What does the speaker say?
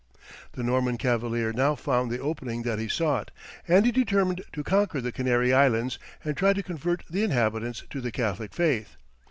The Norman cavalier now found the opening that he sought, and he determined to conquer the Canary Islands and try to convert the inhabitants to the Catholic faith.